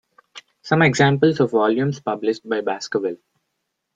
Some examples of volumes published by Baskerville.